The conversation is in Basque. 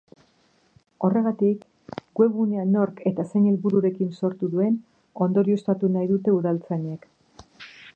Horregatik, webgunea nork eta zein helbururekin sortu duen ondorioztatu nahi dute udaltzainek.